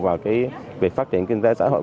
vào việc phát triển kinh tế xã hội